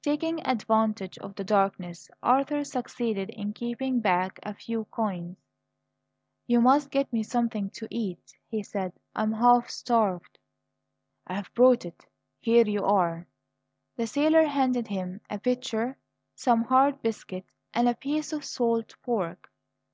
Taking advantage of the darkness, Arthur succeeded in keeping back a few coins. "You must get me something to eat," he said; "I am half starved." "I've brought it. Here you are." The sailor handed him a pitcher, some hard biscuit, and a piece of salt pork.